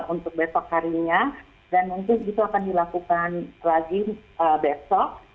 untuk besok harinya dan mungkin itu akan dilakukan lagi besok